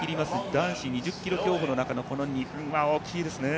男子２０ｋｍ競歩の中でこの２分は大きいですね。